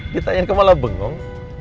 ditanya kamu malah bengong